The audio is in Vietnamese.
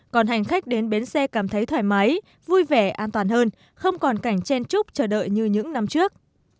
còn hành khách đến bến xe cảm thấy thoải mái vui vẻ an toàn hơn không còn cảnh chen chúc chờ đợi như những năm trước